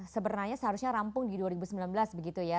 sebenarnya seharusnya rampung di dua ribu sembilan belas begitu ya